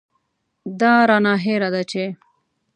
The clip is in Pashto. دا رانه هېره ده چې.